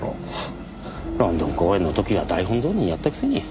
ロンドン公演の時は台本通りにやったくせに。